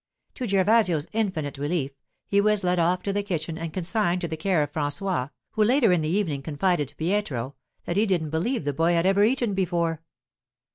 To Gervasio's infinite relief, he was led off to the kitchen and consigned to the care of François, who later in the evening confided to Pietro that he didn't believe the boy had ever eaten before.